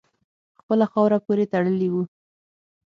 خپله خاوره پوري تړلی وو.